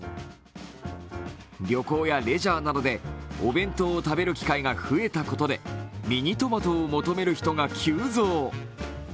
旅行やレジャーなどでお弁当を食べる機会が増えたことでミニトマトを求める人が急増。